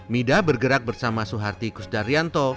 midah bergerak bersama soeharti kusdarianto